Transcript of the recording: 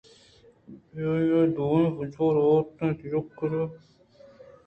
آئی ءَ دوئیں پجّاہ آورت اَنت یکے آرتھرءُدومی جیر یمااِت